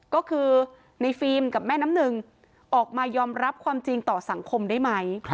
ก็คือในฟิล์มกับแม่น้ำหนึ่งออกมายอมรับความจริงต่อสังคมได้ไหม